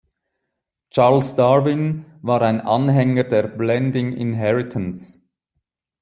Charles Darwin war ein Anhänger der blending inheritance.